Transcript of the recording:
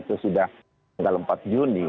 sesudah empat juni